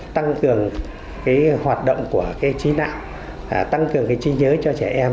tăng cường cái hoạt động của cái trí nạo tăng cường cái trí nhớ cho trẻ em